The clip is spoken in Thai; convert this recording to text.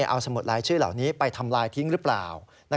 เอาสมุดลายชื่อเหล่านี้ไปทำลายทิ้งหรือเปล่า